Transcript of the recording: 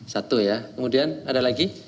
satu ya kemudian ada lagi